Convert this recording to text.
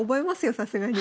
さすがに。